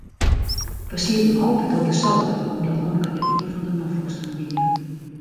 We sieten altyd op de souder omdat omke net ien fan de nofliksten wie.